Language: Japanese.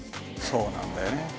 そうなんだよね。